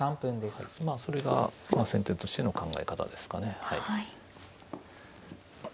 まあそれが先手としての考え方ですかね。